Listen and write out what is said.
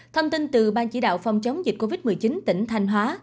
thông tin từ ban chỉ đạo phòng chống dịch covid một mươi chín tỉnh thanh hóa